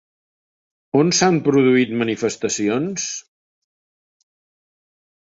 On s'han produït manifestacions?